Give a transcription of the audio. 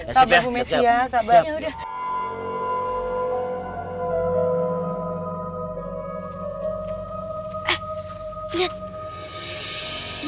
sabar bu mesi ya sabar